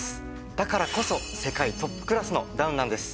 だからこそ世界トップクラスのダウンなんです。